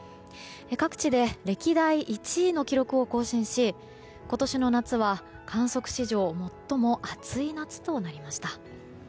各地で歴代１位の記録を更新し今年の夏は、観測史上最も暑い夏となりました。